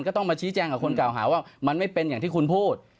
ก็ต้องมาชี้แจงกับคนเก่าหาว่ามันไม่เป็นอย่างที่คุณพูด